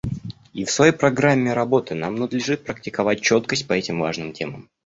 И в своей программе работы нам надлежит практиковать четкость по этим важным темам.